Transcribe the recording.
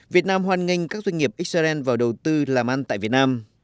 việt nam hoàn nghênh các doanh nghiệp xrn vào đầu tư làm ăn tại việt nam